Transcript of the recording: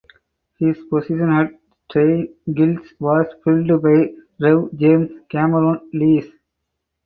His position at St Giles was filled by Rev James Cameron Lees.